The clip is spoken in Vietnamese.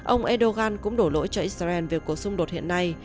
ông erdogan cũng đổ lỗi cho israel về cuộc xung đột hiện nay